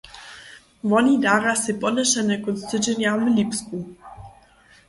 Woni darja sej podlěšeny kónc tydźenja w Lipsku.